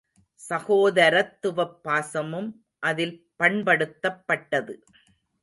சகோதரத்துவப் பாசமும் அதில் பண்படுத்தப்பட்டது.